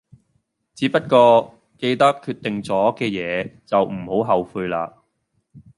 只不過記得決定左嘅野就唔好後悔啦